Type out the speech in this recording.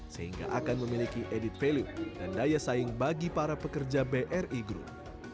sehingga akan memiliki added value dan daya saing bagi para pekerja bri group